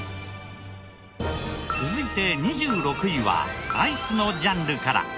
続いて２６位はアイスのジャンルから。